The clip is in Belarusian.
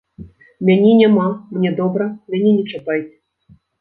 Мяне няма, мне добра, мяне не чапайце.